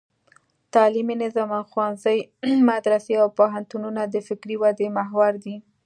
تعلیمي نظام: ښوونځي، مدرسې او پوهنتونونه د فکري ودې محور دي.